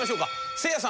せいやさん